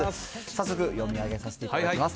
早速、読み上げさせていただきます。